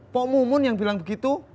pok mumun yang bilang begitu